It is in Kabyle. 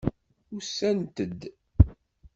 Usant-d.